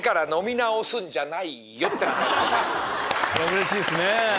うれしいっすね